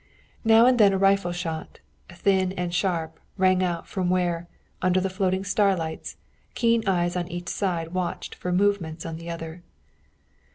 Now and then a rifle shot, thin and sharp, rang out from where, under the floating starlights, keen eyes on each side watched for movements on the other.